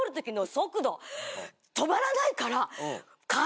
止まらないから。